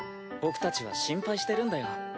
僕たちは心配してるんだよ。